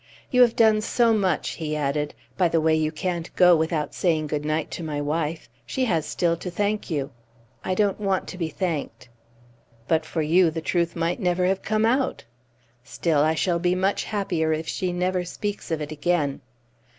"You have done so much!" he added. "By the way, you can't go without saying good night to my wife. She has still to thank you." "I don't want to be thanked." "But for you the truth might never have come out." "Still I shall be much happier if she never speaks of it again."